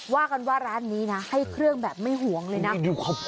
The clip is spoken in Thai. ว่ากันว่าร้านนี้นะให้เครื่องแบบไม่ห่วงเลยนะ